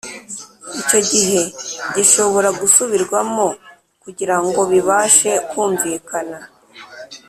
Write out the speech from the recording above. icyo gihe gishobora gusubirwamo kugira ngo bibashe kumvikana